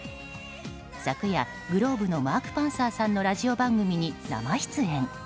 昨夜、ｇｌｏｂｅのマーク・パンサーさんのラジオ番組に生出演。